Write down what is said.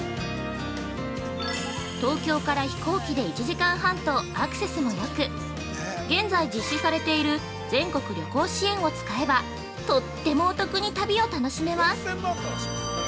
東京から飛行機で１時間半とアクセスもよく現在実施されている全国旅行支援を使えばとってもお得に旅を楽しめます。